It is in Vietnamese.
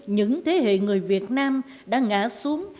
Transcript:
những thế hệ người việt nam đã ngã xuống